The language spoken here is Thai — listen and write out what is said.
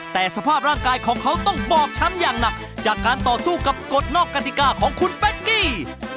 แต่สภาพร่างกายของเขาต้องบอบช้ำอย่างหนักจากการต่อสู้กับกฎนอกกติกาของคุณเป๊กกี้